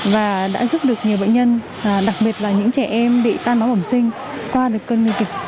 và đã giúp được nhiều bệnh nhân đặc biệt là những trẻ em bị tan máu bẩm sinh qua được cơn nguy kịch